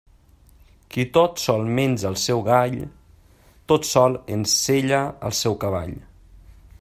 Qui tot sol menja el seu gall, tot sol ensella el seu cavall.